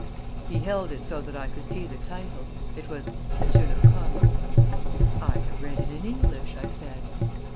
He held it so that I could see the title. It was "Monsieur Lecoq." "I have read it in English," I said.